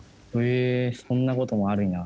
へえそんなこともあるんや。